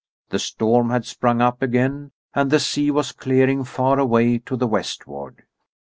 The storm had sprung up again and the sea was clearing far away to the westward.